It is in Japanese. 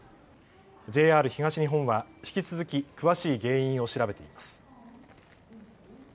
ＪＲ東日本は引き続き詳しい原因を調べています。